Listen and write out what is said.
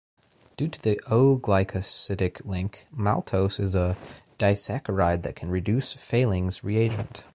Due to O-glycosidic link, maltose is a disaccharide that can reduce Fehling's reagent.